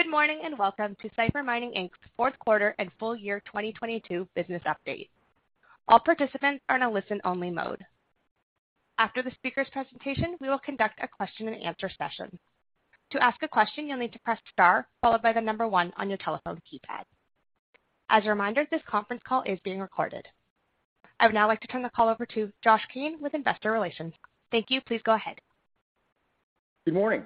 Good morning, welcome to Cipher Mining Inc's Fourth Quarter and Full Year 2022 Business Update. All participants are in a listen-only mode. After the speaker's presentation, we will conduct a question-and-answer session. To ask a question, you'll need to press star followed by one on your telephone keypad. As a reminder, this conference call is being recorded. I would now like to turn the call over to Josh Kane with Investor Relations. Thank you. Please go ahead. Good morning.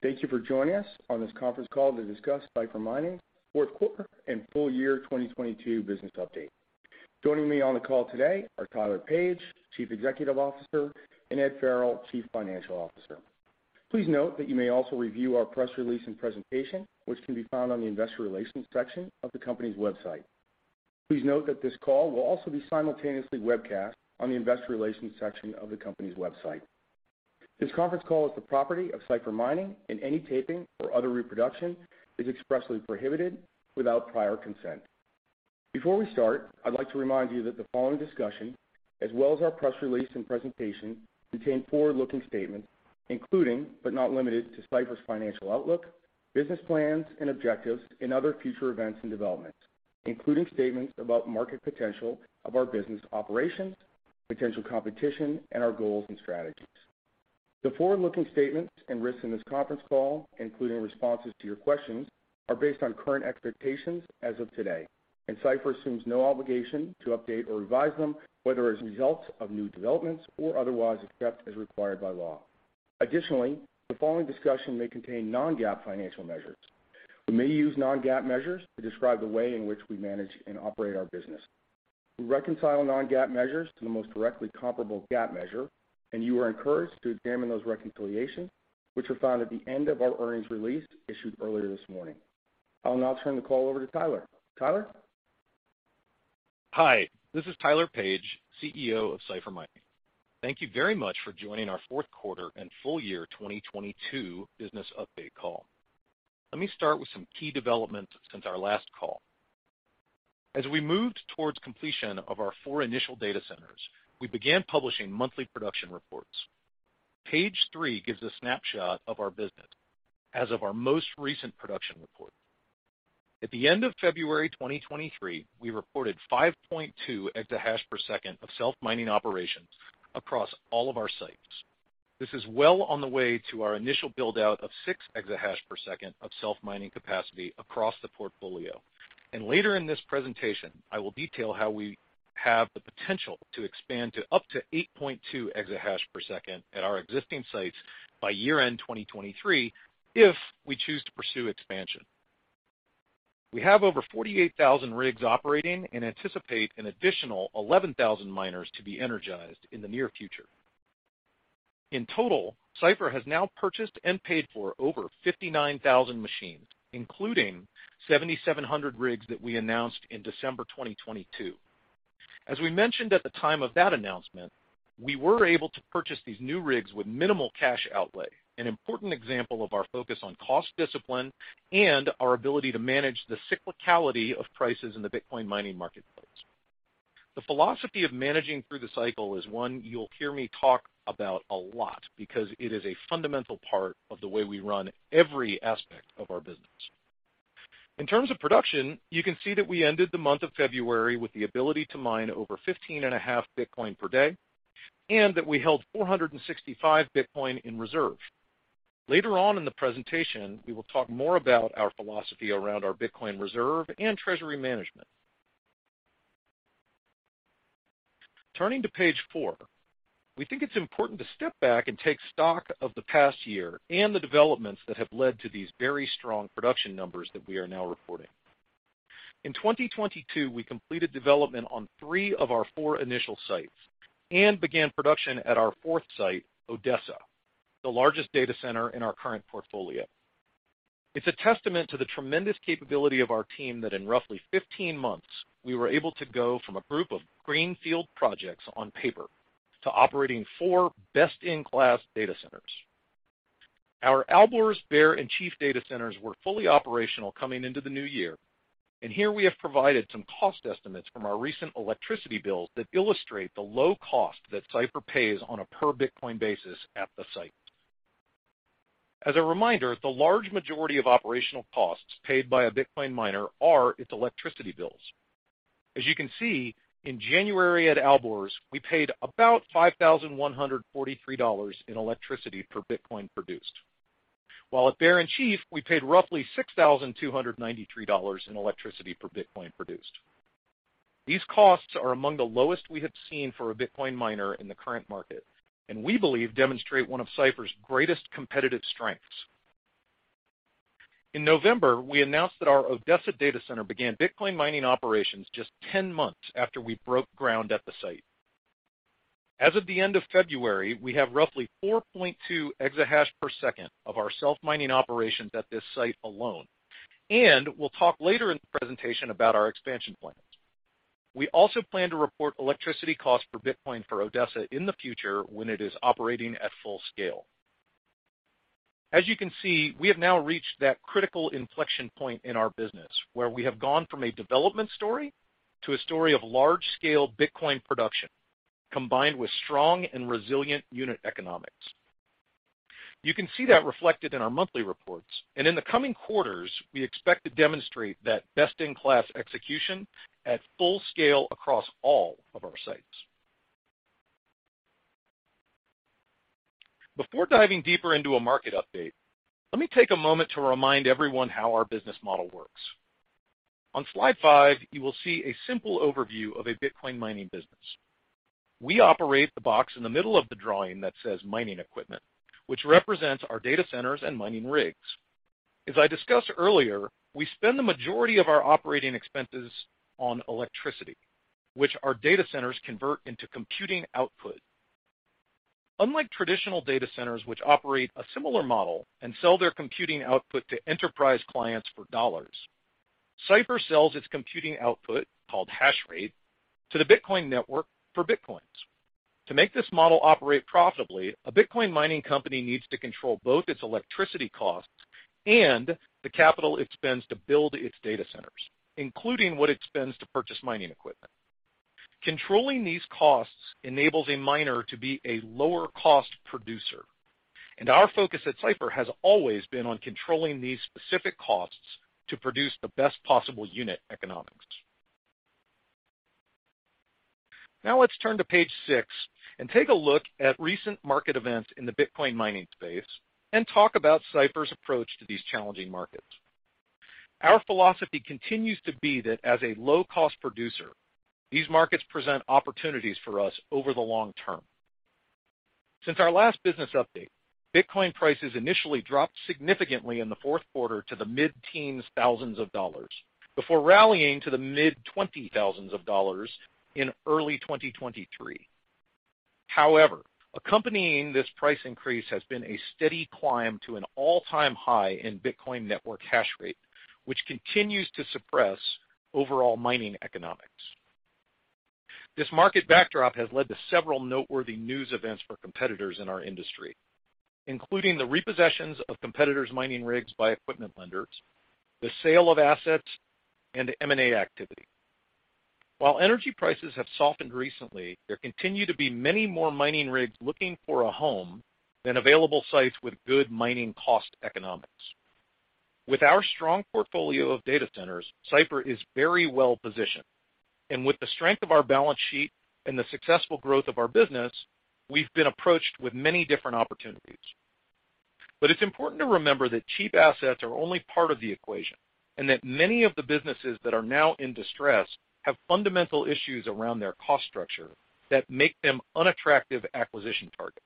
Thank you for joining us on this conference call to discuss Cipher Mining's Fourth Quarter and Full Year 2022 Business Update. Joining me on the call today are Tyler Page, Chief Executive Officer, and Ed Farrell, Chief Financial Officer. Please note that you may also review our press release and presentation, which can be found on the Investor Relations section of the company's website. Please note that this call will also be simultaneously webcast on the Investor Relations section of the company's website. This conference call is the property of Cipher Mining, and any taping or other reproduction is expressly prohibited without prior consent. Before we start, I'd like to remind you that the following discussion, as well as our press release and presentation, contain forward-looking statements, including, but not limited to Cipher's financial outlook, business plans and objectives, and other future events and developments, including statements about market potential of our business operations, potential competition, and our goals and strategies. The forward-looking statements and risks in this conference call, including responses to your questions, are based on current expectations as of today, and Cipher assumes no obligation to update or revise them, whether as a result of new developments or otherwise, except as required by law. Additionally, the following discussion may contain non-GAAP financial measures. We may use non-GAAP measures to describe the way in which we manage and operate our business. We reconcile non-GAAP measures to the most directly comparable GAAP measure, and you are encouraged to examine those reconciliations, which are found at the end of our earnings release issued earlier this morning. I'll now turn the call over to Tyler. Tyler? Hi, this is Tyler Page, CEO of Cipher Mining. Thank you very much for joining our fourth quarter and full year 2022 business update call. Let me start with some key developments since our last call. As we moved towards completion of our four initial data centers, we began publishing monthly production reports. Page three gives a snapshot of our business as of our most recent production report. At the end of February 2023, we reported 5.2 EH/s of self-mining operations across all of our sites. This is well on the way to our initial build-out of 6 EH/s of self-mining capacity across the portfolio. Later in this presentation, I will detail how we have the potential to expand to up to 8.2 EH/s at our existing sites by year-end 2023 if we choose to pursue expansion. We have over 48,000 rigs operating and anticipate an additional 11,000 miners to be energized in the near future. In total, Cipher has now purchased and paid for over 59,000 machines, including 7,700 rigs that we announced in December 2022. As we mentioned at the time of that announcement, we were able to purchase these new rigs with minimal cash outlay, an important example of our focus on cost discipline and our ability to manage the cyclicality of prices in the Bitcoin mining marketplace. The philosophy of managing through the cycle is one you'll hear me talk about a lot because it is a fundamental part of the way we run every aspect of our business. In terms of production, you can see that we ended the month of February with the ability to mine over 15.5 Bitcoin per day, and that we held 465 Bitcoin in reserve. Later on in the presentation, we will talk more about our philosophy around our Bitcoin reserve and treasury management. Turning to page four. We think it's important to step back and take stock of the past year and the developments that have led to these very strong production numbers that we are now reporting. In 2022, we completed development on three of our four initial sites and began production at our fourth site, Odessa, the largest data center in our current portfolio. It's a testament to the tremendous capability of our team that in roughly 15 months, we were able to go from a group of greenfield projects on paper to operating four best-in-class data centers. Our Alborz, Bear and Chief data centers were fully operational coming into the new year, and here we have provided some cost estimates from our recent electricity bills that illustrate the low cost that Cipher pays on a per-Bitcoin basis at the site. As a reminder, the large majority of operational costs paid by a Bitcoin miner are its electricity bills. As you can see, in January at Alborz, we paid about $5,143 in electricity per Bitcoin produced, while at Bear and Chief, we paid roughly $6,293 in electricity per Bitcoin produced. These costs are among the lowest we have seen for a Bitcoin miner in the current market, and we believe demonstrate one of Cipher's greatest competitive strengths. In November, we announced that our Odessa data center began Bitcoin mining operations just 10 months after we broke ground at the site. As of the end of February, we have roughly 4.2 EH/s of our self-mining operations at this site alone, and we'll talk later in the presentation about our expansion plans. We also plan to report electricity costs per Bitcoin for Odessa in the future when it is operating at full scale. As you can see, we have now reached that critical inflection point in our business where we have gone from a development story to a story of large-scale Bitcoin production. Combined with strong and resilient unit economics. In the coming quarters, we expect to demonstrate that best-in-class execution at full scale across all of our sites. Before diving deeper into a market update, let me take a moment to remind everyone how our business model works. On slide five, you will see a simple overview of a Bitcoin mining business. We operate the box in the middle of the drawing that says mining equipment, which represents our data centers and mining rigs. As I discussed earlier, we spend the majority of our operating expenses on electricity, which our data centers convert into computing output. Unlike traditional data centers which operate a similar model and sell their computing output to enterprise clients for dollars, Cipher sells its computing output, called hash rate, to the Bitcoin network for Bitcoins. To make this model operate profitably, a Bitcoin mining company needs to control both its electricity costs and the capital it spends to build its data centers, including what it spends to purchase mining equipment. Controlling these costs enables a miner to be a lower-cost producer, and our focus at Cipher has always been on controlling these specific costs to produce the best possible unit economics. Now let's turn to page six and take a look at recent market events in the Bitcoin mining space and talk about Cipher's approach to these challenging markets. Our philosophy continues to be that as a low-cost producer, these markets present opportunities for us over the long term. Since our last business update, Bitcoin prices initially dropped significantly in the fourth quarter to the mid-teens thousands of dollars before rallying to the mid-twenty thousands of dollars in early 2023. Accompanying this price increase has been a steady climb to an all-time high in Bitcoin network hash rate, which continues to suppress overall mining economics. This market backdrop has led to several noteworthy news events for competitors in our industry, including the repossessions of competitors' mining rigs by equipment lenders, the sale of assets, and M&A activity. Energy prices have softened recently, there continue to be many more mining rigs looking for a home than available sites with good mining cost economics. With our strong portfolio of data centers, Cipher is very well-positioned, and with the strength of our balance sheet and the successful growth of our business, we've been approached with many different opportunities. It's important to remember that cheap assets are only part of the equation and that many of the businesses that are now in distress have fundamental issues around their cost structure that make them unattractive acquisition targets.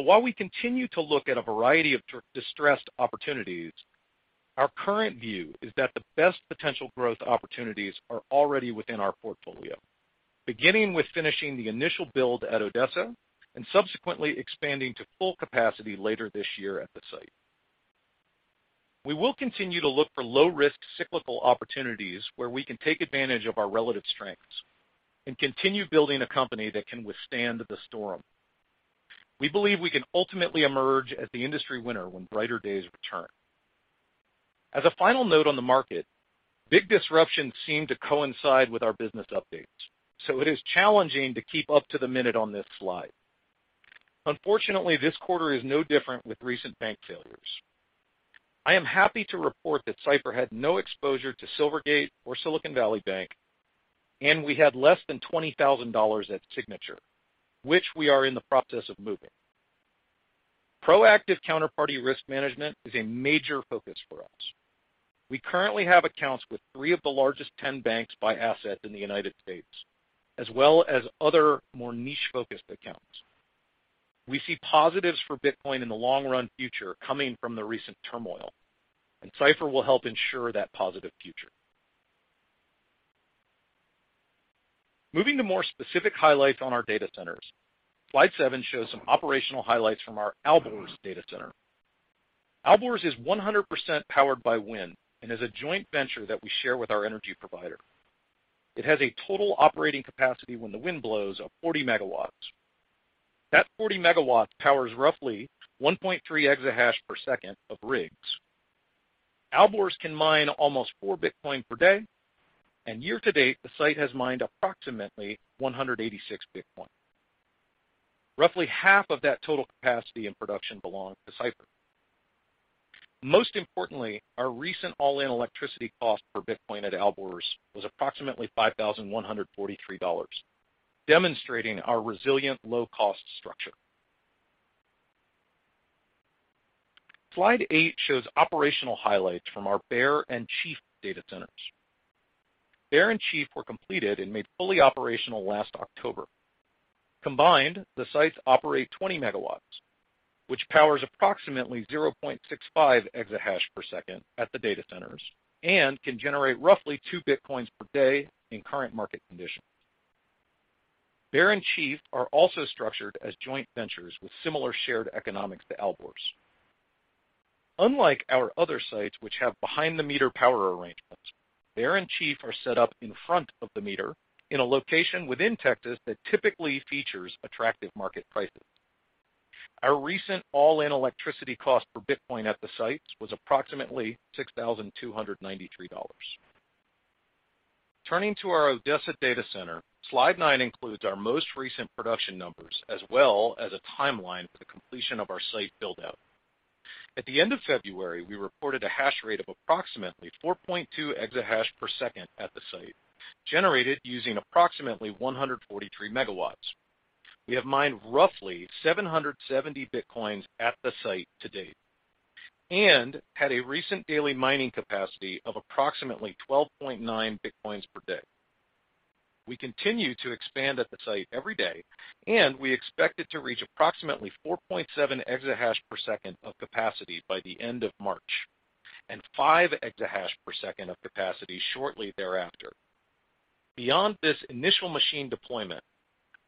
While we continue to look at a variety of distressed opportunities, our current view is that the best potential growth opportunities are already within our portfolio, beginning with finishing the initial build at Odessa and subsequently expanding to full capacity later this year at the site. We will continue to look for low-risk cyclical opportunities where we can take advantage of our relative strengths and continue building a company that can withstand the storm. We believe we can ultimately emerge as the industry winner when brighter days return. As a final note on the market, big disruptions seem to coincide with our business updates, so it is challenging to keep up to the minute on this slide. Unfortunately, this quarter is no different with recent bank failures. I am happy to report that Cipher had no exposure to Silvergate or Silicon Valley Bank, and we had less than $20,000 at Signature, which we are in the process of moving. Proactive counterparty risk management is a major focus for us. We currently have accounts with three of the largest 10 banks by asset in the U.S., as well as other more niche-focused accounts. We see positives for Bitcoin in the long-run future coming from the recent turmoil, and Cipher will help ensure that positive future. Moving to more specific highlights on our data centers. Slide seven shows some operational highlights from our Alborz data center. Alborz is 100% powered by wind and is a joint venture that we share with our energy provider. It has a total operating capacity when the wind blows of 40 MW. That 40 MW powers roughly 1.3 EH/s of rigs. Alborz can mine almost 4 Bitcoin per day, and year to date, the site has mined approximately 186 Bitcoin. Roughly half of that total capacity and production belong to Cipher. Most importantly, our recent all-in electricity cost per Bitcoin at Alborz was approximately $5,143, demonstrating our resilient low-cost structure. Slide eight shows operational highlights from our Bear and Chief data centers. Bear and Chief were completed and made fully operational last October. Combined, the sites operate 20 MW, which powers approximately 0.65 EH/s at the data centers and can generate roughly 2 Bitcoin per day in current market conditions. Bear and Chief are also structured as joint ventures with similar shared economics to Alborz. Unlike our other sites which have behind-the-meter power arrangements, Bear and Chief are set up in front of the meter in a location within Texas that typically features attractive market prices. Our recent all-in electricity cost per Bitcoin at the sites was approximately $6,293. Turning to our Odessa data center, slide nine includes our most recent production numbers as well as a timeline for the completion of our site build-out. At the end of February, we reported a hash rate of approximately 4.2 EH/s at the site, generated using approximately 143 MW. We have mined roughly 770 Bitcoin at the site to date and had a recent daily mining capacity of approximately 12.9 Bitcoin per day. We continue to expand at the site every day. We expect it to reach approximately 4.7 EH/s of capacity by the end of March and 5 EH/s of capacity shortly thereafter. Beyond this initial machine deployment,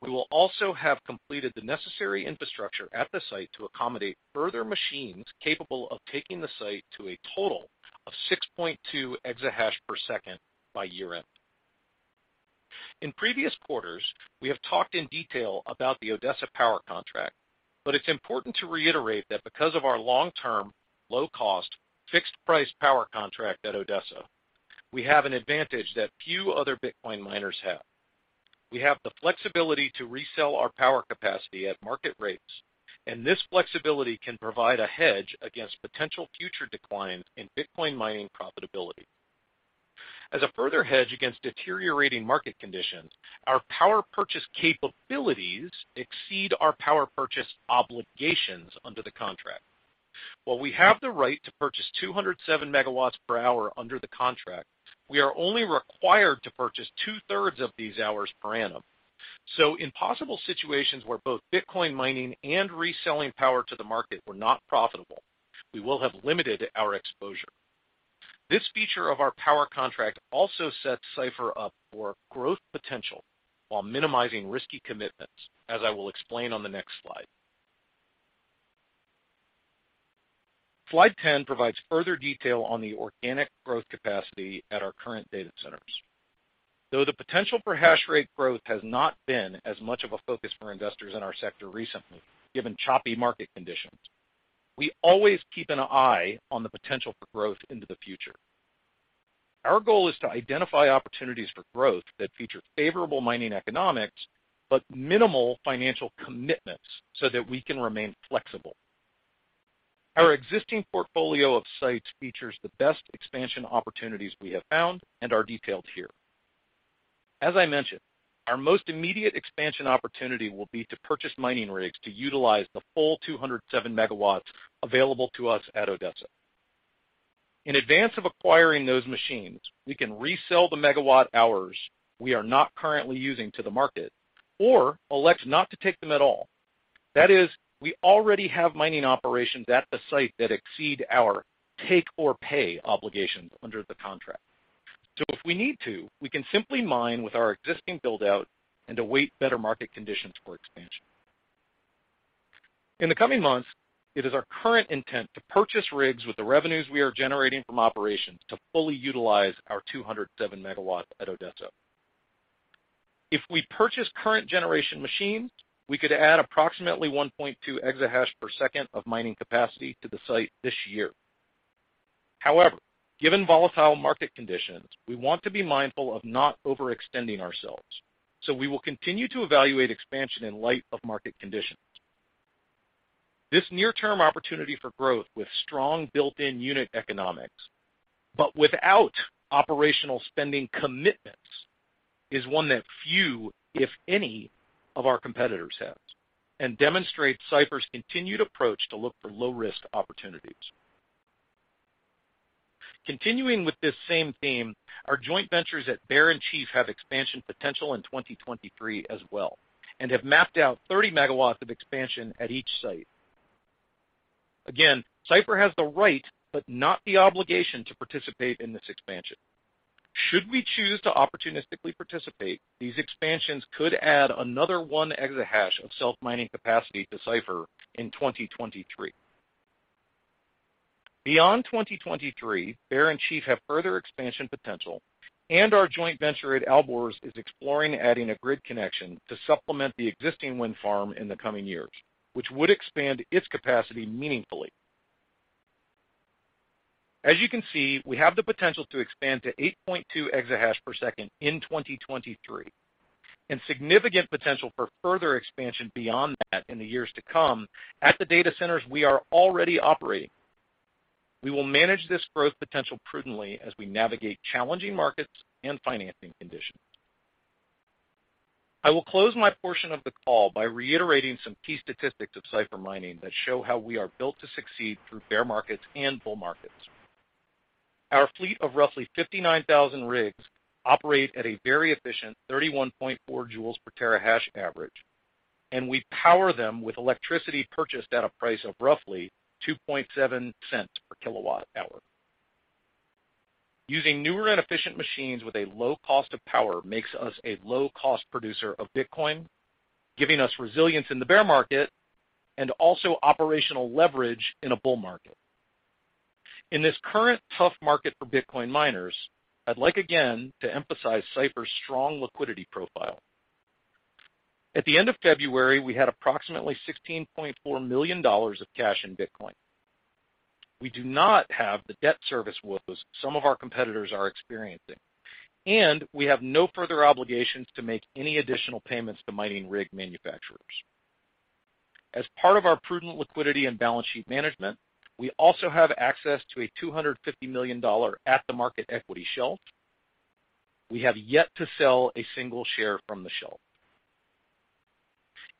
we will also have completed the necessary infrastructure at the site to accommodate further machines capable of taking the site to a total of 6.2 EH/s by year-end. In previous quarters, we have talked in detail about the Odessa power contract. It's important to reiterate that because of our long-term, low-cost, fixed-price power contract at Odessa, we have an advantage that few other Bitcoin miners have. We have the flexibility to resell our power capacity at market rates, and this flexibility can provide a hedge against potential future declines in Bitcoin mining profitability. As a further hedge against deteriorating market conditions, our power purchase capabilities exceed our power purchase obligations under the contract. While we have the right to purchase 207 MWh under the contract, we are only required to purchase two-thirds of these hours per annum. In possible situations where both Bitcoin mining and reselling power to the market were not profitable, we will have limited our exposure. This feature of our power contract also sets Cipher up for growth potential while minimizing risky commitments, as I will explain on the next slide. Slide 10 provides further detail on the organic growth capacity at our current data centers. Though the potential for hash rate growth has not been as much of a focus for investors in our sector recently, given choppy market conditions, we always keep an eye on the potential for growth into the future. Our goal is to identify opportunities for growth that feature favorable mining economics, but minimal financial commitments so that we can remain flexible. Our existing portfolio of sites features the best expansion opportunities we have found and are detailed here. As I mentioned, our most immediate expansion opportunity will be to purchase mining rigs to utilize the full 207 MW available to us at Odessa. In advance of acquiring those machines, we can resell the megawatt hours we are not currently using to the market or elect not to take them at all. That is, we already have mining operations at the site that exceed our take-or-pay obligations under the contract. If we need to, we can simply mine with our existing build-out and await better market conditions for expansion. In the coming months, it is our current intent to purchase rigs with the revenues we are generating from operations to fully utilize our 207 MW at Odessa. If we purchase current generation machines, we could add approximately 1.2 EH/s of mining capacity to the site this year. However, given volatile market conditions, we want to be mindful of not overextending ourselves, so we will continue to evaluate expansion in light of market conditions. This near-term opportunity for growth with strong built-in unit economics, but without operational spending commitments, is one that few, if any, of our competitors have and demonstrates Cipher's continued approach to look for low-risk opportunities. Continuing with this same theme, our joint ventures at Bear and Chief have expansion potential in 2023 as well and have mapped out 30 MW of expansion at each site. Again, Cipher has the right but not the obligation to participate in this expansion. Should we choose to opportunistically participate, these expansions could add another 1 EH of self-mining capacity to Cipher in 2023. Beyond 2023, Bear and Chief have further expansion potential, and our joint venture at Alborz is exploring adding a grid connection to supplement the existing wind farm in the coming years, which would expand its capacity meaningfully. As you can see, we have the potential to expand to 8.2 EH/s in 2023 and significant potential for further expansion beyond that in the years to come at the data centers we are already operating. We will manage this growth potential prudently as we navigate challenging markets and financing conditions. I will close my portion of the call by reiterating some key statistics of Cipher Mining that show how we are built to succeed through bear markets and bull markets. Our fleet of roughly 59,000 rigs operate at a very efficient 31.4 J/TH average, and we power them with electricity purchased at a price of roughly $0.027 per kWh. Using newer and efficient machines with a low cost of power makes us a low-cost producer of Bitcoin, giving us resilience in the bear market and also operational leverage in a bull market. In this current tough market for Bitcoin miners, I'd like again to emphasize Cipher's strong liquidity profile. At the end of February, we had approximately $16.4 million of cash in Bitcoin. We do not have the debt service woes some of our competitors are experiencing, and we have no further obligations to make any additional payments to mining rig manufacturers. As part of our prudent liquidity and balance sheet management, we also have access to a $250 million at-the-market equity shelf. We have yet to sell a single share from the shelf.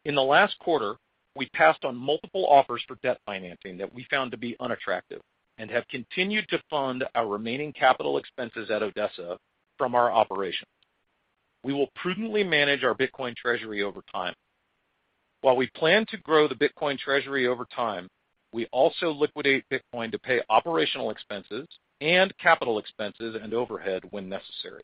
In the last quarter, we passed on multiple offers for debt financing that we found to be unattractive and have continued to fund our remaining CapEx at Odessa from our operations. We will prudently manage our Bitcoin treasury over time. While we plan to grow the Bitcoin treasury over time, we also liquidate Bitcoin to pay OpEx and CapEx and overhead when necessary.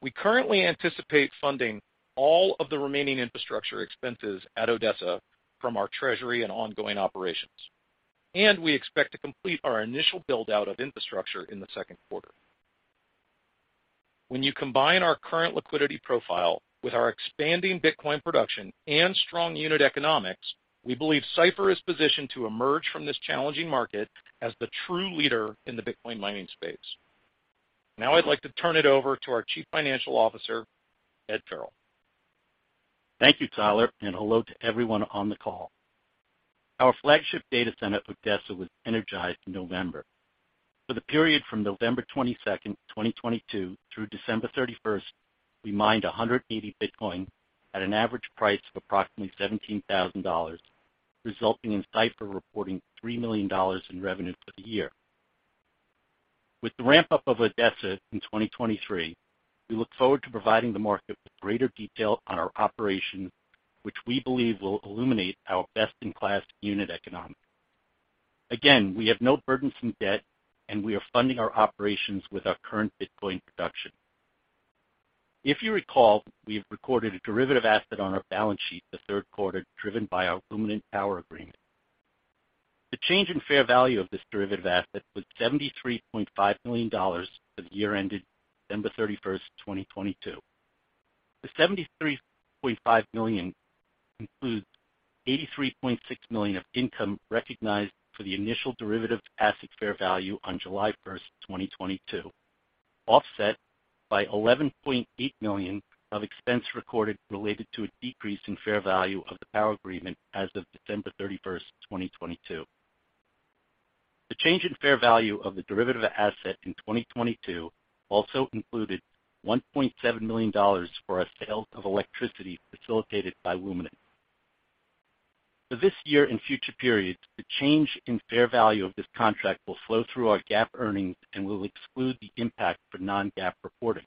We currently anticipate funding all of the remaining infrastructure expenses at Odessa from our treasury and ongoing operations. We expect to complete our initial build-out of infrastructure in the second quarter. When you combine our current liquidity profile with our expanding Bitcoin production and strong unit economics, we believe Cipher is positioned to emerge from this challenging market as the true leader in the Bitcoin mining space. I'd like to turn it over to our Chief Financial Officer, Ed Farrell. Thank you, Tyler. Hello to everyone on the call. Our flagship data center at Odessa was energized in November. For the period from November 22nd, 2022 through December 31st, we mined 180 Bitcoin at an average price of approximately $17,000, resulting in Cipher reporting $3 million in revenue for the year. With the ramp-up of Odessa in 2023, we look forward to providing the market with greater detail on our operations, which we believe will illuminate our best-in-class unit economics. We have no burdensome debt, and we are funding our operations with our current Bitcoin production. If you recall, we've recorded a derivative asset on our balance sheet the third quarter, driven by our Luminant power agreement. The change in fair value of this derivative asset was $73.5 million for the year ended December 31st, 2022. The $73.5 million includes $83.6 million of income recognized for the initial derivative asset fair value on July 1st, 2022, offset by $11.8 million of expense recorded related to a decrease in fair value of the power agreement as of December 31, 2022. The change in fair value of the derivative asset in 2022 also included $1.7 million for a sale of electricity facilitated by Luminant. For this year and future periods, the change in fair value of this contract will flow through our GAAP earnings and will exclude the impact for non-GAAP reporting.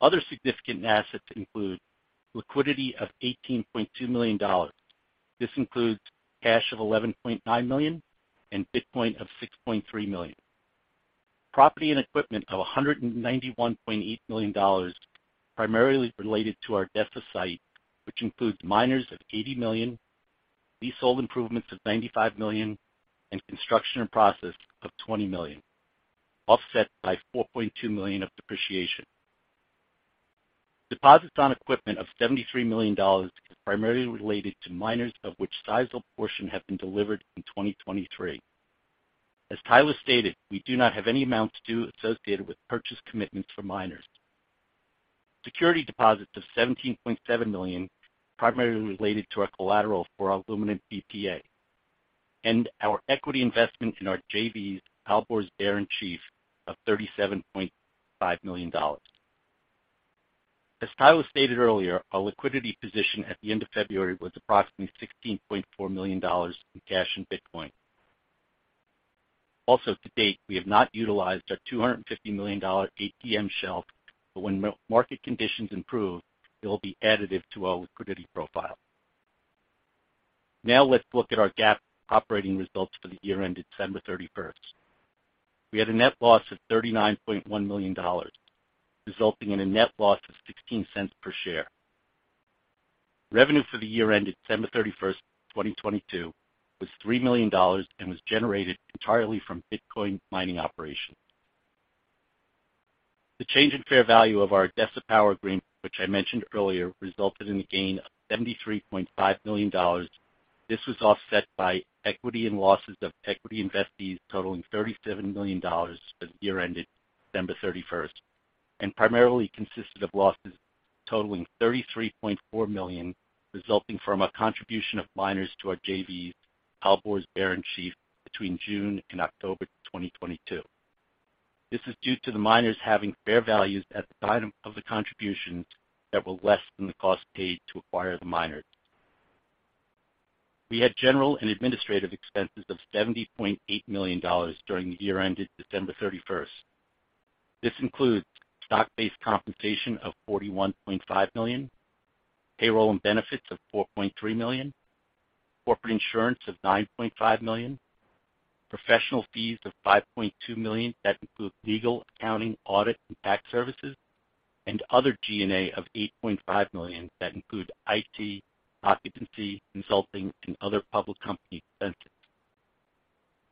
Other significant assets include liquidity of $18.2 million. This includes cash of $11.9 million and Bitcoin of $6.3 million. Property and equipment of $191.8 million, primarily related to our Odessa site, which includes miners of $80 million, leasehold improvements of $95 million, and construction in process of $20 million, offset by $4.2 million of depreciation. Deposits on equipment of $73 million is primarily related to miners of which sizable portion have been delivered in 2023. As Tyler stated, we do not have any amounts due associated with purchase commitments for miners. Security deposits of $17.7 million primarily related to our collateral for our Luminant PPA and our equity investment in our JV Alborz Bear and Chief of $37.5 million. As Tyler stated earlier, our liquidity position at the end of February was approximately $16.4 million in cash and Bitcoin. To date, we have not utilized our $250 million ATM shelf, when market conditions improve, it will be additive to our liquidity profile. Let's look at our GAAP operating results for the year ended December 31st. We had a net loss of $39.1 million, resulting in a net loss of $0.16 per share. Revenue for the year ended December 31st, 2022 was $3 million and was generated entirely from Bitcoin mining operations. The change in fair value of our Odessa power agreement, which I mentioned earlier, resulted in a gain of $73.5 million. This was offset by equity and losses of equity investees totaling $37 million for the year ended December 31st and primarily consisted of losses totaling $33.4 million, resulting from a contribution of miners to our JV Alborz Bear and Chief between June and October 2022. This is due to the miners having fair values at the time of the contributions that were less than the cost paid to acquire the miners. We had general and administrative expenses of $70.8 million during the year ended December 31st. This includes stock-based compensation of $41.5 million, payroll and benefits of $4.3 million, corporate insurance of $9.5 million, professional fees of $5.2 million that include legal, accounting, audit, and tax services. Other G&A of $8.5 million that include IT, occupancy, consulting, and other public company expenses.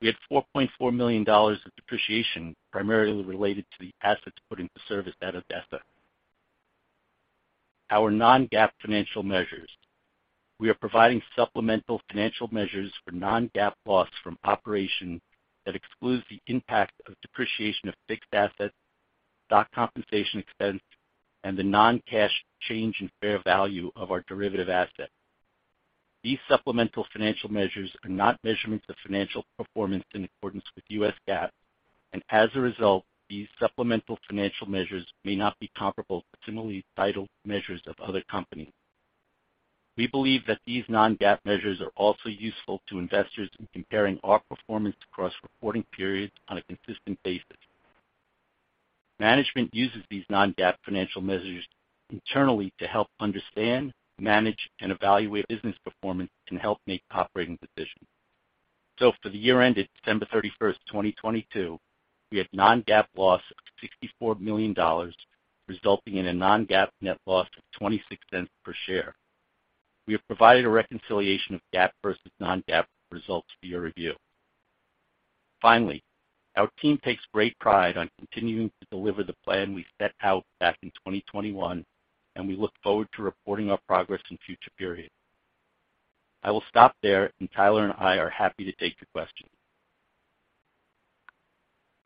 We had $4.4 million of depreciation primarily related to the assets put into service at Odessa. Our non-GAAP financial measures. We are providing supplemental financial measures for non-GAAP loss from operation that excludes the impact of depreciation of fixed assets, stock compensation expense, and the non-cash change in fair value of our derivative asset. These supplemental financial measures are not measurements of financial performance in accordance with U.S. GAAP. As a result, these supplemental financial measures may not be comparable to similarly titled measures of other companies. We believe that these non-GAAP measures are also useful to investors in comparing our performance across reporting periods on a consistent basis. Management uses these non-GAAP financial measures internally to help understand, manage, and evaluate business performance and help make operating decisions. For the year ended December 31st, 2022, we had non-GAAP loss of $64 million, resulting in a non-GAAP net loss of $0.26 per share. We have provided a reconciliation of GAAP versus non-GAAP results for your review. Finally, our team takes great pride on continuing to deliver the plan we set out back in 2021, and we look forward to reporting our progress in future periods. I will stop there, and Tyler and I are happy to take your questions.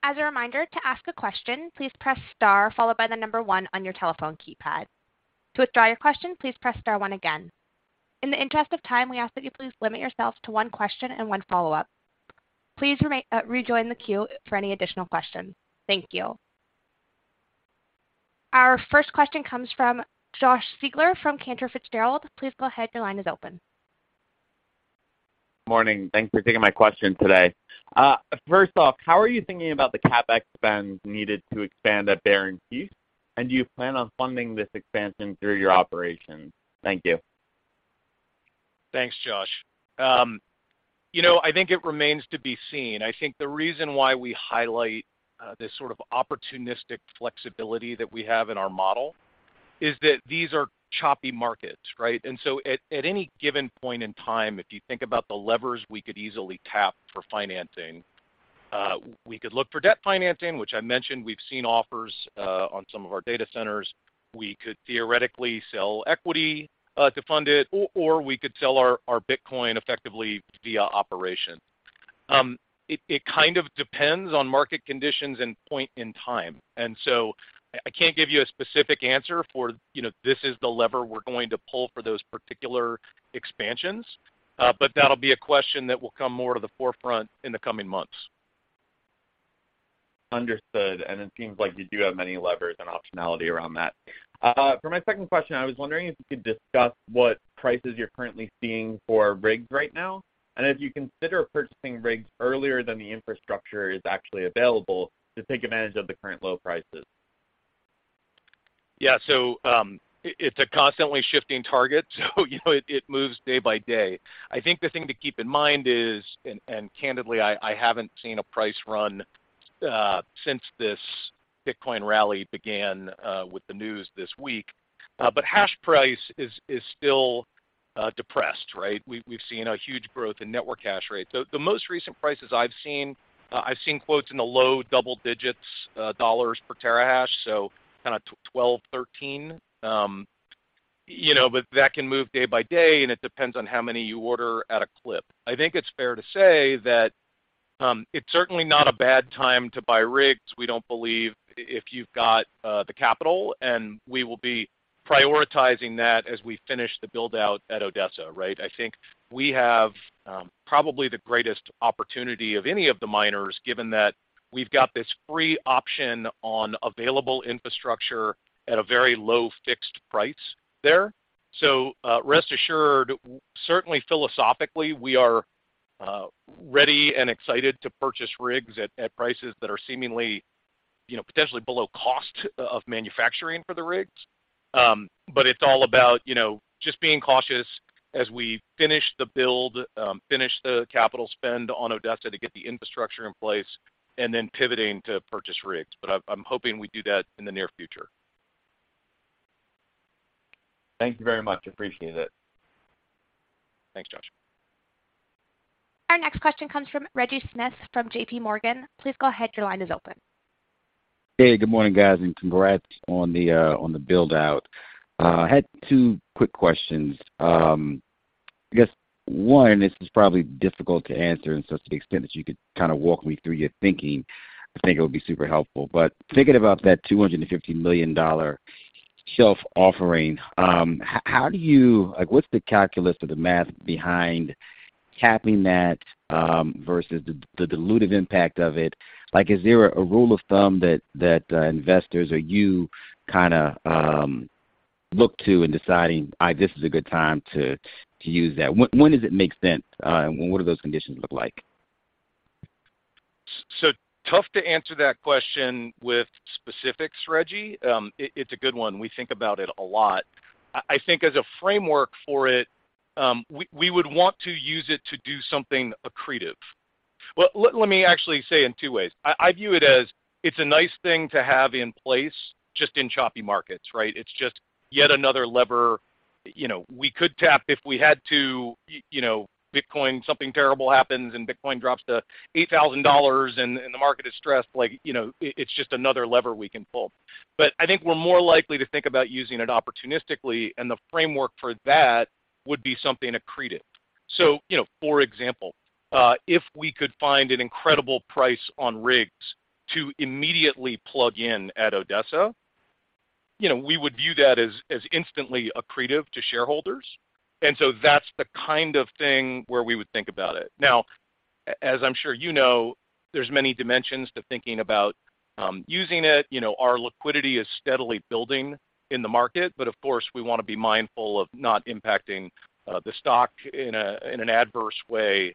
As a reminder, to ask a question, please press star followed by one on your telephone keypad. To withdraw your question, please press star one again. In the interest of time, we ask that you please limit yourself to one question and one follow-up. Please rejoin the queue for any additional questions. Thank you. Our first question comes from Josh Siegler from Cantor Fitzgerald. Please go ahead. Your line is open. Morning. Thanks for taking my question today. First off, how are you thinking about the CapEx spend needed to expand at Bear and Chief? Do you plan on funding this expansion through your operations? Thank you. Thanks, Josh. you know, I think it remains to be seen. I think the reason why we highlight this sort of opportunistic flexibility that we have in our model is that these are choppy markets, right? At any given point in time, if you think about the levers we could easily tap for financing, we could look for debt financing, which I mentioned we've seen offers on some of our data centers. We could theoretically sell equity to fund it or we could sell our Bitcoin effectively via operation. it kind of depends on market conditions and point in time. I can't give you a specific answer for, you know, this is the lever we're going to pull for those particular expansions. That'll be a question that will come more to the forefront in the coming months. Understood. It seems like you do have many levers and optionality around that. For my second question, I was wondering if you could discuss what prices you're currently seeing for rigs right now, and if you consider purchasing rigs earlier than the infrastructure is actually available to take advantage of the current low prices. Yeah. It's a constantly shifting target, you know, it moves day by day. I think the thing to keep in mind is, candidly, I haven't seen a price run since this Bitcoin rally began with the news this week. Hash price is still depressed, right? We've seen a huge growth in network hash rate. The most recent prices I've seen, I've seen quotes in the low double digits, dollars per terahash, so kinda $12, $13. You know, that can move day by day, and it depends on how many you order at a clip. I think it's fair to say that it's certainly not a bad time to buy rigs. We don't believe if you've got the capital, we will be prioritizing that as we finish the build-out at Odessa, right? I think we have probably the greatest opportunity of any of the miners, given that we've got this free option on available infrastructure at a very low fixed price there. Rest assured, certainly philosophically, we are ready and excited to purchase rigs at prices that are seemingly, you know, potentially below cost of manufacturing for the rigs. It's all about, you know, just being cautious as we finish the build, finish the capital spend on Odessa to get the infrastructure in place and then pivoting to purchase rigs. I'm hoping we do that in the near future. Thank you very much. Appreciate it. Thanks, Josh. Our next question comes from Reggie Smith from JPMorgan. Please go ahead. Your line is open. Hey, good morning, guys, and congrats on the build-out. I had two quick questions. I guess one, and this is probably difficult to answer, and so to the extent that you could kinda walk me through your thinking, I think it would be super helpful. Thinking about that $250 million shelf offering, Like, what's the calculus or the math behind capping that versus the dilutive impact of it? Like, is there a rule of thumb that investors or you kinda look to in deciding, "All right, this is a good time to use that?" When does it make sense, and what do those conditions look like? So tough to answer that question with specifics, Reggie. It's a good one. We think about it a lot. I think as a framework for it, we would want to use it to do something accretive. Well, let me actually say in two ways. I view it as it's a nice thing to have in place just in choppy markets, right? It's just yet another lever, you know, we could tap if we had to. You know, Bitcoin, something terrible happens, and Bitcoin drops to $8,000 and the market is stressed, like, you know, it's just another lever we can pull. I think we're more likely to think about using it opportunistically, and the framework for that would be something accreted. You know, for example, if we could find an incredible price on rigs to immediately plug in at Odessa, you know, we would view that as instantly accretive to shareholders. That's the kind of thing where we would think about it. As I'm sure you know, there's many dimensions to thinking about using it. You know, our liquidity is steadily building in the market. Of course, we wanna be mindful of not impacting the stock in a, in an adverse way,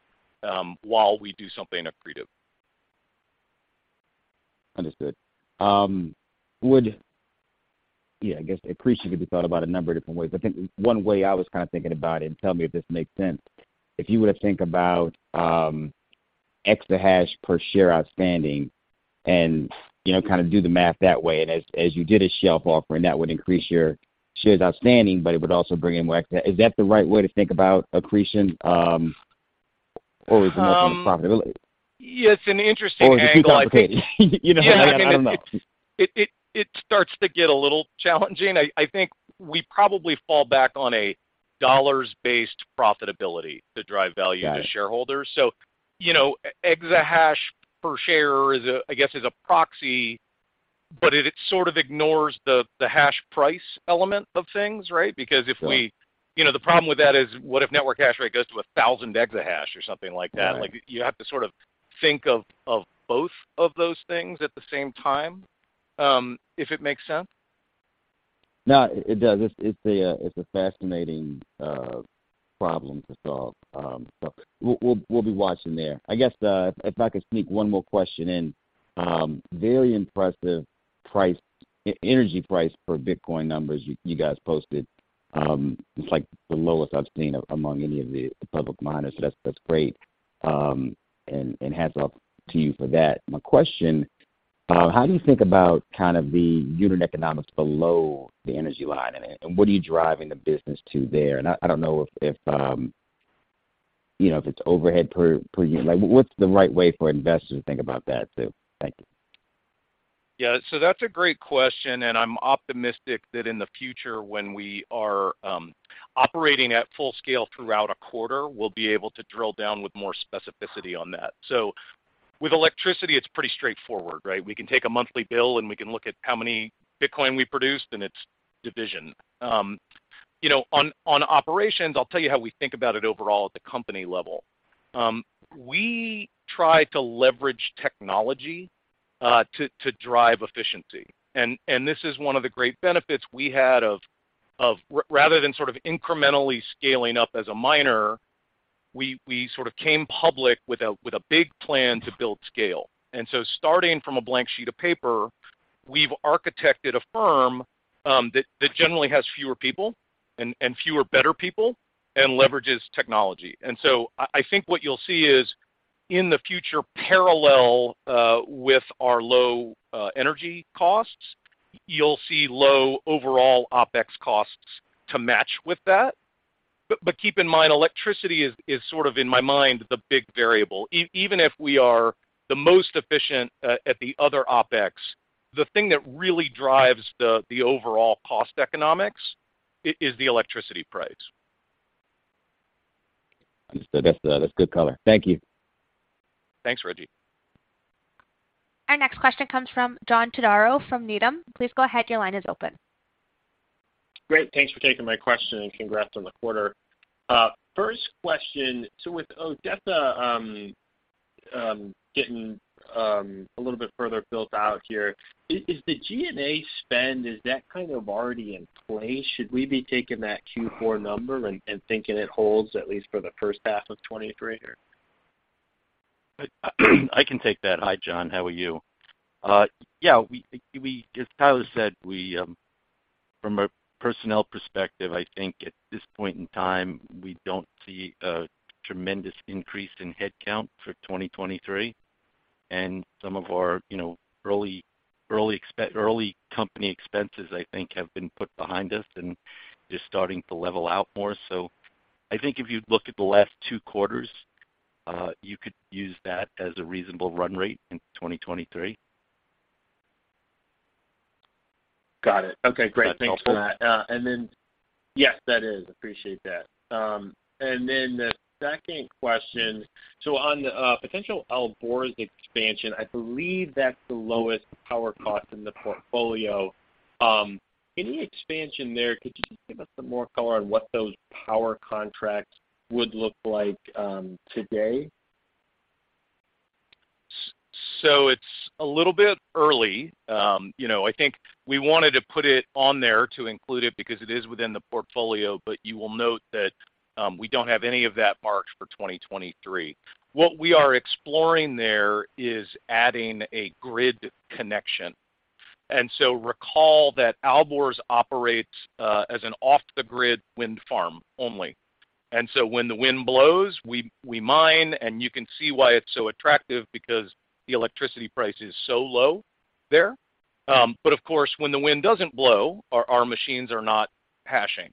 while we do something accretive. Understood. Yeah, I guess accretion could be thought about a number of different ways. I think one way I was kind of thinking about it, and tell me if this makes sense, if you were to think about, exahash per share outstanding and, you know, kind of do the math that way, and as you did a shelf offering, that would increase your shares outstanding, but it would also bring in more. Is that the right way to think about accretion, or is it more from the profitability? Yeah, it's an interesting angle. Is it too complicated? You know, I don't know. Yeah. I mean, it starts to get a little challenging. I think we probably fall back on a dollars-based profitability to drive value- Got it.... to shareholders. you know, exahash per share is a, I guess, is a proxy, but it sort of ignores the hash price element of things, right? Yeah. You know, the problem with that is, what if network hash rate goes to 1,000 EH or something like that? Right. Like, you have to sort of think of both of those things at the same time, if it makes sense? No, it does. It's, it's a, it's a fascinating problem to solve. We'll be watching there. I guess, if I could sneak one more question in, very impressive energy price per Bitcoin numbers you guys posted. It's like the lowest I've seen among any of the public miners, that's great. Hats off to you for that. My question, how do you think about kind of the unit economics below the energy line item? What are you driving the business to there? I don't know if, you know, if it's overhead per unit. Like, what's the right way for investors to think about that, too? Thank you. That's a great question, and I'm optimistic that in the future, when we are operating at full scale throughout a quarter, we'll be able to drill down with more specificity on that. With electricity, it's pretty straightforward, right? We can take a monthly bill, and we can look at how many Bitcoin we produced and its division. You know, on operations, I'll tell you how we think about it overall at the company level. We try to leverage technology to drive efficiency. This is one of the great benefits we had of rather than sort of incrementally scaling up as a miner, we sort of came public with a big plan to build scale. Starting from a blank sheet of paper, we've architected a firm that generally has fewer people and fewer better people and leverages technology. I think what you'll see is, in the future, parallel with our low energy costs, you'll see low overall OpEx costs to match with that. But keep in mind, electricity is sort of, in my mind, the big variable. Even if we are the most efficient at the other OpEx, the thing that really drives the overall cost economics is the electricity price. Understood. That's, that's good color. Thank you. Thanks, Reggie. Our next question comes from John Todaro from Needham. Please go ahead, your line is open. Great. Thanks for taking my question, and congrats on the quarter. First question, with Odessa getting a little bit further built out here, is the G&A spend, is that kind of already in play? Should we be taking that Q4 number and thinking it holds at least for the first half of 2023, or? I can take that. Hi, John. How are you? Yeah, as Tyler said, we, from a personnel perspective, I think at this point in time, we don't see a tremendous increase in headcount for 2023. Some of our, you know, early company expenses, I think, have been put behind us and just starting to level out more. I think if you look at the last two quarters, you could use that as a reasonable run rate in 2023. Got it. Okay, great. That's helpful? Thanks for that. Yes, that is. Appreciate that. The second question, on the potential Alborz expansion, I believe that's the lowest power cost in the portfolio. Any expansion there, could you just give us some more color on what those power contracts would look like today? It's a little bit early. you know, I think we wanted to put it on there to include it because it is within the portfolio, but you will note that, we don't have any of that marked for 2023. What we are exploring there is adding a grid connection. Recall that Alborz operates an off-the-grid wind farm only. When the wind blows, we mine, and you can see why it's so attractive because the electricity price is so low there. Of course, when the wind doesn't blow, our machines are not hashing.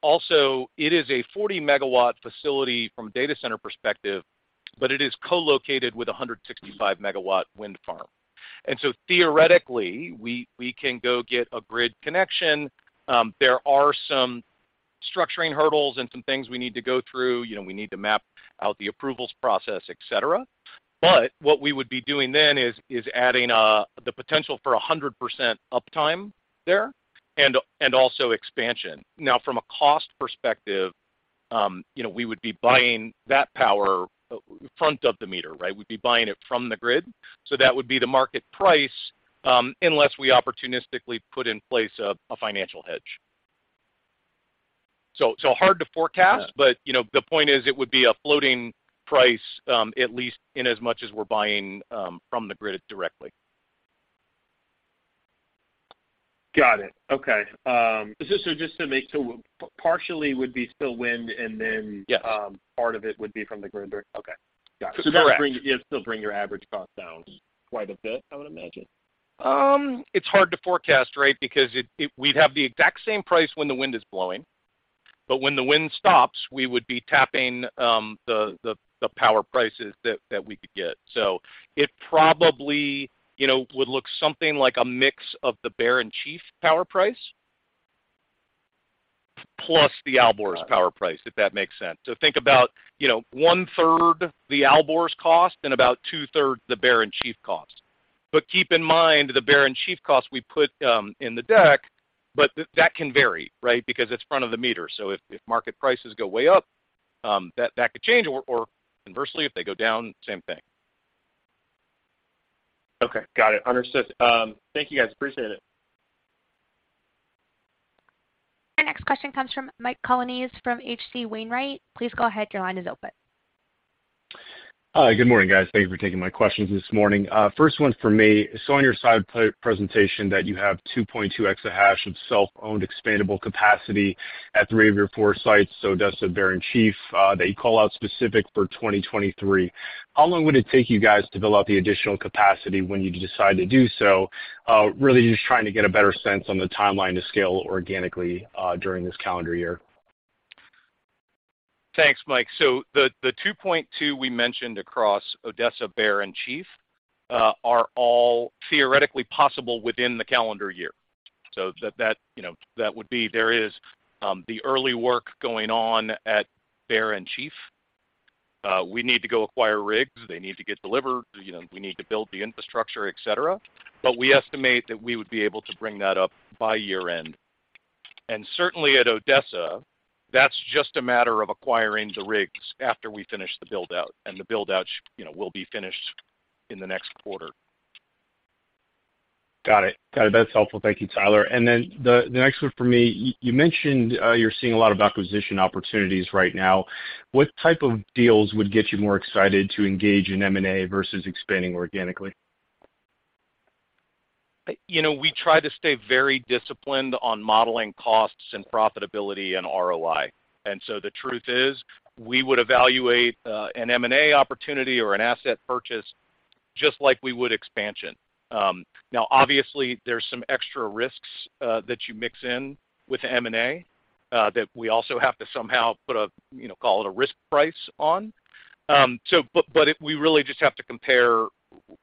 Also, it is a 40 MW facility from a data center perspective, but it is co-located with a 165 MW wind farm. Theoretically, we can go get a grid connection. There are some structuring hurdles and some things we need to go through. You know, we need to map out the approvals process, et cetera. What we would be doing then is adding the potential for 100% uptime there and also expansion. From a cost perspective, you know, we would be buying that power, front of the meter, right? We'd be buying it from the grid. That would be the market price, unless we opportunistically put in place a financial hedge. Hard to forecast- Yeah... but, you know, the point is it would be a floating price, at least inasmuch as we're buying, from the grid directly. Got it. Okay. just to make sure. partially would be still wind, and then- Yeah Part of it would be from the grid direct. Okay. Got it. Correct. It'd still bring your average cost down quite a bit, I would imagine. It's hard to forecast, right, because it we'd have the exact same price when the wind is blowing. When the wind stops, we would be tapping the power prices that we could get. It probably, you know, would look something like a mix of the Bear and Chief power price plus the Alborz power price- Got it.... if that makes sense. Think about, you know, 1/3 the Alborz cost and about 2/3 the Bear and Chief cost. Keep in mind, the Bear and Chief cost we put in the deck, but that can vary, right, because it's front of the meter. If market prices go way up, that could change or conversely, if they go down, same thing. Okay. Got it. Understood. Thank you, guys. Appreciate it. Our next question comes from Mike Colonnese from H.C. Wainwright. Please go ahead. Your line is open. Hi. Good morning, guys. Thank you for taking my questions this morning. First one from me, I saw on your slide pre-presentation that you have 2.2 EH of self-owned expandable capacity at three of your four sites, does the Bear and Chief that you call out specific for 2023. How long would it take you guys to develop the additional capacity when you decide to do so? Really just trying to get a better sense on the timeline to scale organically during this calendar year. Thanks, Mike. The 2.2 we mentioned across Odessa, Bear, and Chief are all theoretically possible within the calendar year. That, you know, that would be there is the early work going on at Bear and Chief. We need to go acquire rigs. They need to get delivered. You know, we need to build the infrastructure, et cetera. We estimate that we would be able to bring that up by year-end. Certainly at Odessa, that's just a matter of acquiring the rigs after we finish the build-out, and the build-out, you know, will be finished in the next quarter. Got it. Got it. That's helpful. Thank you, Tyler. Then the next one from me, you mentioned, you're seeing a lot of acquisition opportunities right now. What type of deals would get you more excited to engage in M&A versus expanding organically? You know, we try to stay very disciplined on modeling costs and profitability and ROI. The truth is, we would evaluate an M&A opportunity or an asset purchase just like we would expansion. Now, obviously there's some extra risks that you mix in with M&A that we also have to somehow put a, you know, call it a risk price on. We really just have to compare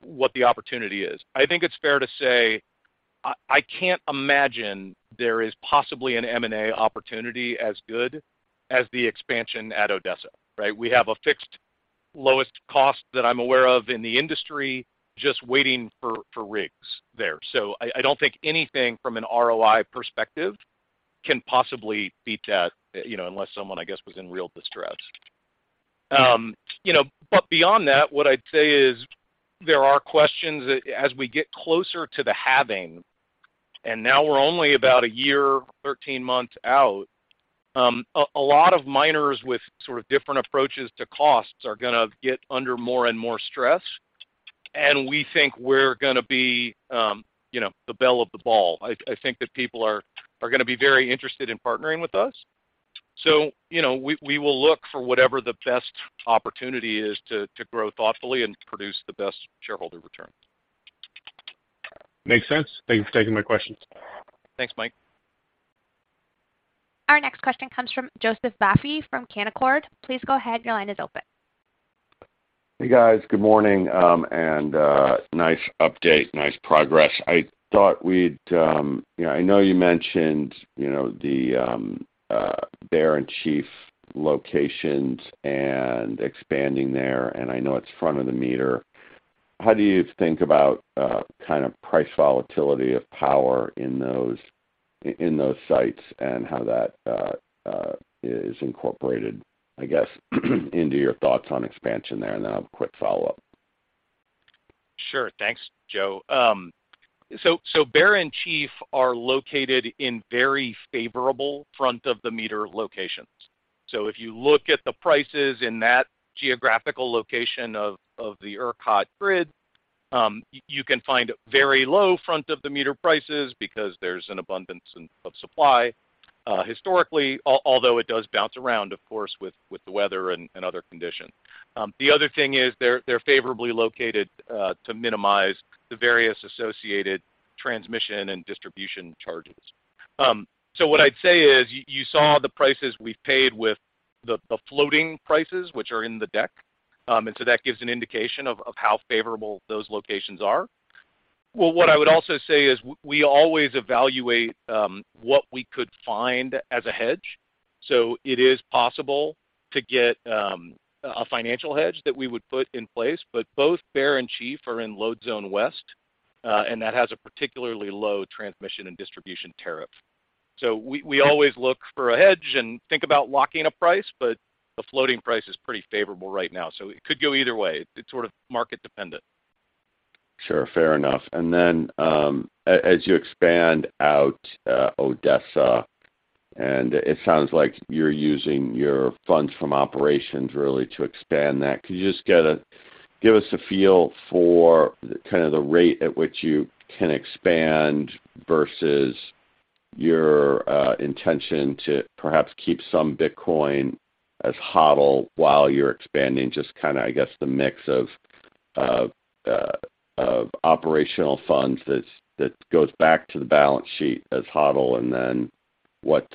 what the opportunity is. I think it's fair to say I can't imagine there is possibly an M&A opportunity as good as the expansion at Odessa, right? We have a fixed lowest cost that I'm aware of in the industry just waiting for rigs there. I don't think anything from an ROI perspective can possibly beat that, you know, unless someone, I guess, was in real distress. You know, beyond that, what I'd say is there are questions that as we get closer to the halving, now we're only about a year, 13 months out, a lot of miners with sort of different approaches to costs are gonna get under more and more stress. We think we're gonna be, you know, the belle of the ball. I think that people are gonna be very interested in partnering with us. You know, we will look for whatever the best opportunity is to grow thoughtfully and produce the best shareholder returns. Makes sense. Thank you for taking my questions. Thanks, Mike. Our next question comes from Joseph Vafi from Canaccord. Please go ahead. Your line is open. Hey, guys. Good morning, and nice update. Nice progress. I thought we'd, you know, I know you mentioned, you know, the Bear and Chief locations and expanding there, and I know it's front of the meter. How do you think about, kind of price volatility of power in those sites and how that is incorporated, I guess, into your thoughts on expansion there? I have a quick follow-up. Sure. Thanks, Joe. Bear and Chief are located in very favorable front-of-the-meter locations. So if you look at the prices in that geographical location of the ERCOT grid, you can find very low front-of-the-meter prices because there's an abundance of supply, historically, although it does bounce around, of course, with the weather and other conditions. The other thing is they're favorably located to minimize the various associated transmission and distribution charges. What I'd say is you saw the prices we've paid with the floating prices, which are in the deck. That gives an indication of how favorable those locations are. Well, what I would also say is we always evaluate what we could find as a hedge. It is possible to get a financial hedge that we would put in place, but both Bear and Chief are in Load Zone West, and that has a particularly low transmission and distribution tariff. We always look for a hedge and think about locking a price, but the floating price is pretty favorable right now, so it could go either way. It's sort of market-dependent. Sure. Fair enough. Then, as you expand out, Odessa, and it sounds like you're using your funds from operations really to expand that. Could you just give us a feel for kind of the rate at which you can expand versus your, intention to perhaps keep some Bitcoin as HODL while you're expanding? Just kinda, I guess, the mix of operational funds that goes back to the balance sheet as HODL and then what's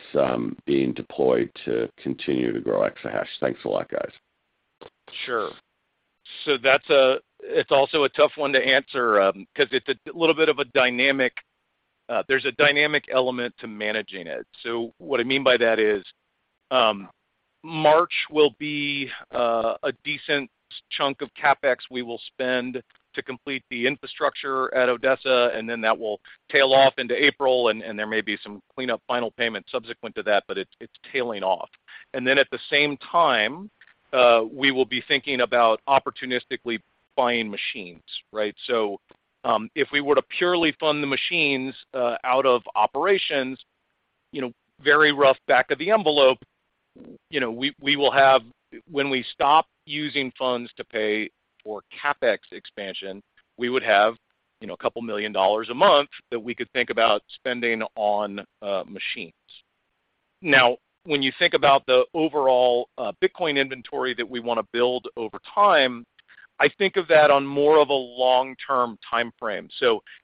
being deployed to continue to grow exahash. Thanks a lot, guys. Sure. That's also a tough one to answer 'cause it's a little bit of a dynamic element to managing it. What I mean by that is March will be a decent chunk of CapEx we will spend to complete the infrastructure at Odessa, and then that will tail off into April and there may be some cleanup final payments subsequent to that, but it's tailing off. At the same time, we will be thinking about opportunistically buying machines, right? If we were to purely fund the machines out of operations, you know, very rough back of the envelope, you know, we will have... When we stop using funds to pay for CapEx expansion, we would have, you know, $2 million a month that we could think about spending on machines. Now, when you think about the overall Bitcoin inventory that we wanna build over time, I think of that on more of a long-term timeframe.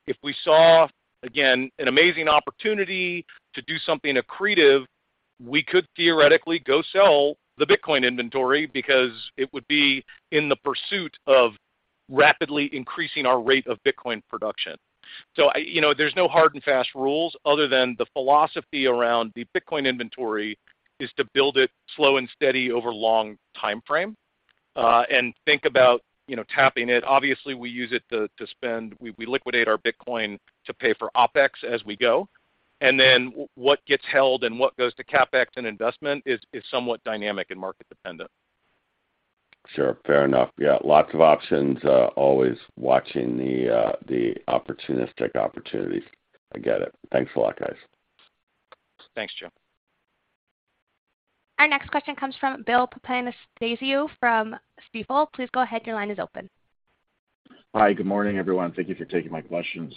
If we saw, again, an amazing opportunity to do something accretive, we could theoretically go sell the Bitcoin inventory because it would be in the pursuit of rapidly increasing our rate of Bitcoin production. You know, there's no hard and fast rules other than the philosophy around the Bitcoin inventory is to build it slow and steady over long timeframe, and think about, you know, tapping it. Obviously, we use it to spend. We liquidate our Bitcoin to pay for OpEx as we go. What gets held and what goes to CapEx and investment is somewhat dynamic and market-dependent. Sure. Fair enough. Yeah, lots of options, always watching the opportunistic opportunities. I get it. Thanks a lot, guys. Thanks, Joe. Our next question comes from Bill Papanastasiou from Stifel. Please go ahead, your line is open. Hi, good morning, everyone. Thank you for taking my questions.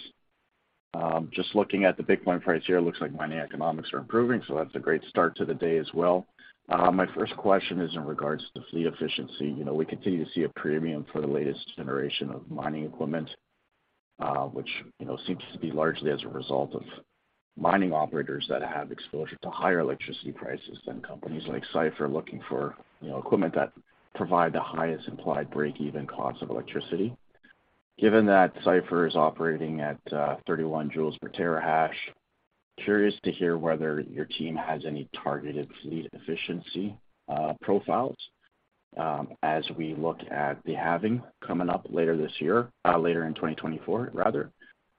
Just looking at the Bitcoin price here, it looks like mining economics are improving, so that's a great start to the day as well. My first question is in regards to fleet efficiency. You know, we continue to see a premium for the latest generation of mining equipment, which, you know, seems to be largely as a result of mining operators that have exposure to higher electricity prices than companies like Cipher looking for, you know, equipment that provide the highest implied break-even cost of electricity. Given that Cipher is operating at, 31 J/TH, curious to hear whether your team has any targeted fleet efficiency, profiles, as we look at the halving coming up later this year, later in 2024 rather,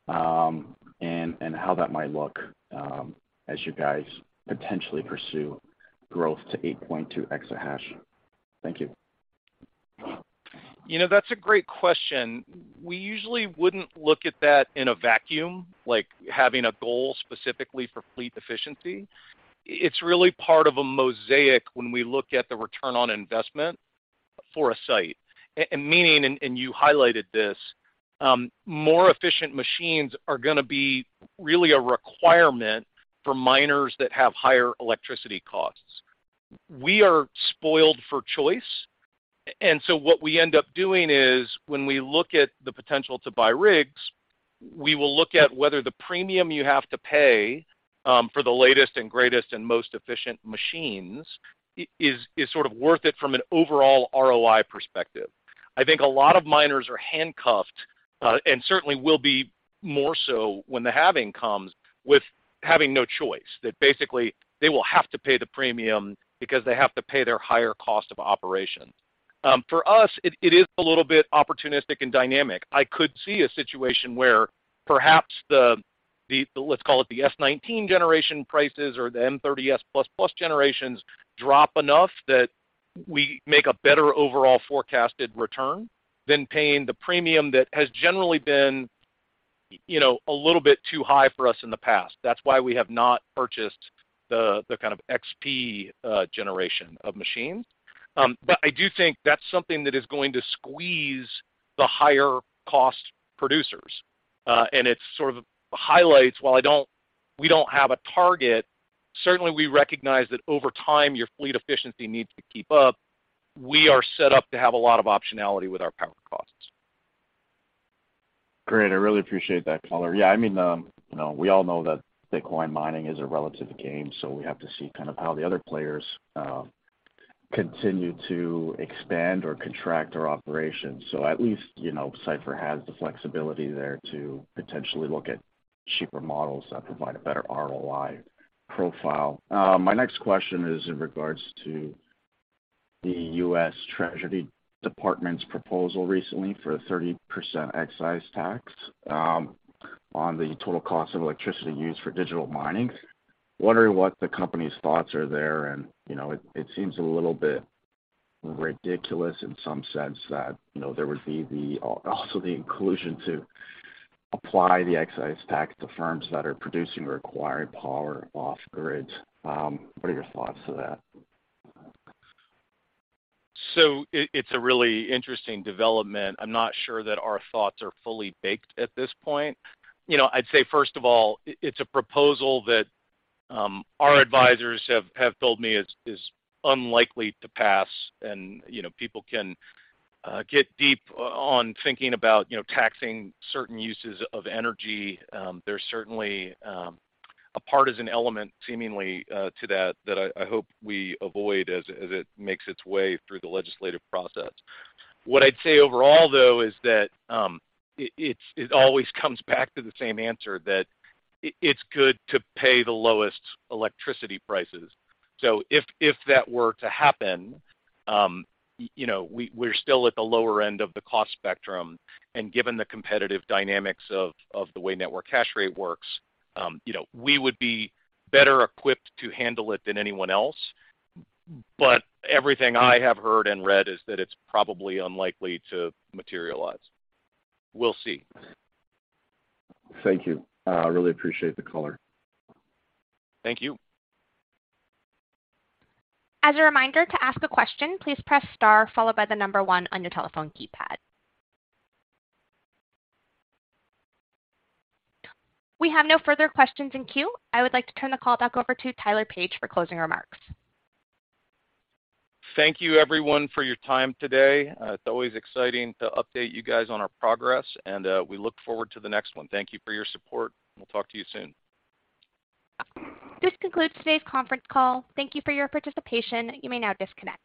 and how that might look, as you guys potentially pursue growth to 8.2 EH. Thank you. You know, that's a great question. We usually wouldn't look at that in a vacuum, like having a goal specifically for fleet efficiency. It's really part of a mosaic when we look at the return on investment for a site. Meaning, and you highlighted this, more efficient machines are gonna be really a requirement for miners that have higher electricity costs. We are spoiled for choice. What we end up doing is when we look at the potential to buy rigs, we will look at whether the premium you have to pay for the latest and greatest and most efficient machines is sort of worth it from an overall ROI perspective. I think a lot of miners are handcuffed, and certainly will be more so when the halving comes, with having no choice. That basically, they will have to pay the premium because they have to pay their higher cost of operations. For us, it is a little bit opportunistic and dynamic. I could see a situation where perhaps the S19 generation prices or the M30S++ generations drop enough that we make a better overall forecasted return than paying the premium that has generally been You know, a little bit too high for us in the past. That's why we have not purchased the kind of XP generation of machines. I do think that's something that is going to squeeze the higher-cost producers. It sort of highlights, while we don't have a target, certainly we recognize that over time, your fleet efficiency needs to keep up. We are set up to have a lot of optionality with our power costs. Great. I really appreciate that color. I mean, you know, we all know that Bitcoin mining is a relative game, so we have to see kind of how the other players continue to expand or contract our operations. At least, you know, Cipher has the flexibility there to potentially look at cheaper models that provide a better ROI profile. My next question is in regards to the U.S. Treasury Department's proposal recently for a 30% excise tax on the total cost of electricity used for digital mining. Wondering what the company's thoughts are there, and, you know, it seems a little bit ridiculous in some sense that, you know, there would be the, also the inclusion to apply the excise tax to firms that are producing or acquiring power off grid. What are your thoughts to that? It's a really interesting development. I'm not sure that our thoughts are fully baked at this point. You know, I'd say, first of all, it's a proposal that our advisors have told me is unlikely to pass, and, you know, people can get deep on thinking about, you know, taxing certain uses of energy. There's certainly a partisan element seemingly to that I hope we avoid as it makes its way through the legislative process. What I'd say overall, though, is that it's always comes back to the same answer that it's good to pay the lowest electricity prices. If that were to happen, you know, we're still at the lower end of the cost spectrum. Given the competitive dynamics of the way network hash rate works, you know, we would be better equipped to handle it than anyone else. Everything I have heard and read is that it's probably unlikely to materialize. We'll see. Thank you, really appreciate the color. Thank you. As a reminder, to ask a question, please press star followed by the one on your telephone keypad. We have no further questions in queue. I would like to turn the call back over to Tyler Page for closing remarks. Thank you everyone for your time today. It's always exciting to update you guys on our progress, and we look forward to the next one. Thank you for your support. We'll talk to you soon. This concludes today's conference call. Thank you for your participation. You may now disconnect.